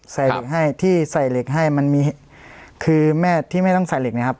ใส่เหล็กให้ที่ใส่เหล็กให้มันมีคือแม่ที่ไม่ต้องใส่เหล็กนะครับ